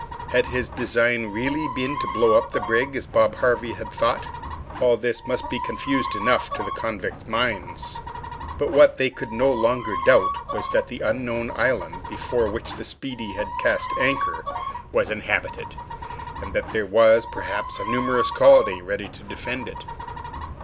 Had his design really been to blow up the brig, as Bob Harvey had thought? All this must be confused enough to the convicts' minds. But what they could no longer doubt was that the unknown island before which the "Speedy" had cast anchor was inhabited, and that there was, perhaps, a numerous colony ready to defend it.